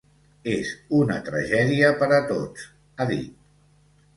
"És una tragèdia per a tots", ha dit.